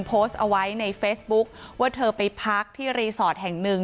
โพสต์เอาไว้ในเฟซบุ๊คว่าเธอไปพักที่รีสอร์ทแห่งหนึ่ง